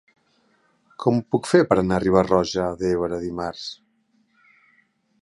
Com ho puc fer per anar a Riba-roja d'Ebre dimarts?